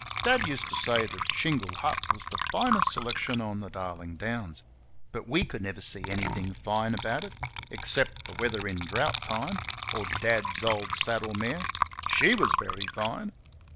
Dad used to say that Shingle Hut was the finest selection on Darling Downs; but WE never could see anything fine about it except the weather in drought time, or Dad's old saddle mare. SHE was very fine.